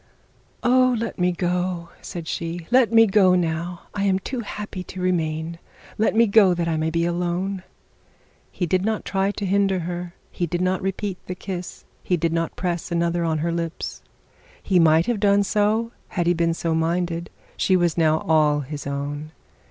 'Oh, let me go,' said she; 'let me go now. I am too happy to remain, let me go, that I may be alone.' He did not try to hinder her; he did not repeat his kiss; he did not press another on her lips. He might have done so, had he been so minded. She was now all his own.